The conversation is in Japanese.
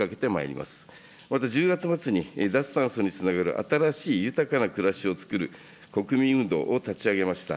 また１０月末に脱炭素につながる新しい豊かな暮らしをつくる国民運動を立ち上げました。